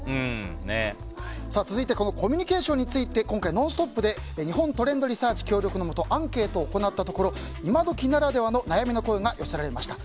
続いてコミュニケーションについて今回、「ノンストップ！」で日本トレンドリサーチ協力のもとアンケートを行ったところ今時ならではの悩みの声が寄せられました。